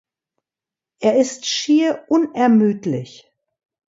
Er ist schier unermüdlich.